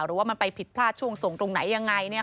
หรือว่ามันไปผิดพลาดช่วงส่งตรงไหนอย่างไรนี่ค่ะ